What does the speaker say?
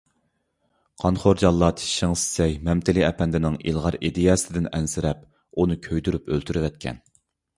قانخور جاللات شېڭ شىسەي مەمتىلى ئەپەندىنىڭ ئىلغار ئىدىيىسىدىن ئەنسىرەپ، ئۇنى كۆيدۈرۈپ ئۆلتۈرۈۋەتكەن.